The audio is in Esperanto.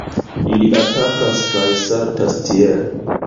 Ili atakas kaj saltas tiel!